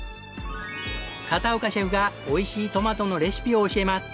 片岡シェフがおいしいトマトのレシピを教えます！